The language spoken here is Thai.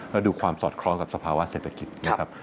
แล้วดูความสอดคล้องกับสภาวะเศรษฐกิจนะครับ